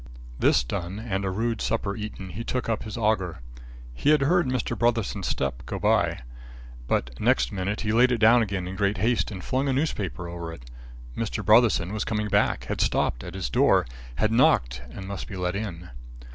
This done and a rude supper eaten, he took up his auger. He had heard Mr. Brotherson's step go by. But next minute he laid it down again in great haste and flung a newspaper over it. Mr. Brotherson was coming back, had stopped at his door, had knocked and must be let in.